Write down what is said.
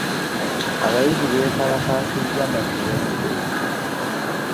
Abayizi beekalakaasirizza mu mirembe.